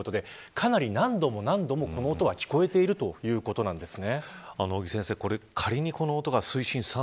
かなり何度もこの音は聞こえているということなんですね。